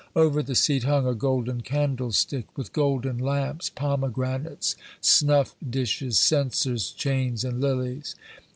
Over the seat hung a golden candlestick, with golden lamps, pomegranates, snuff dishes, censers, chains, and lilies.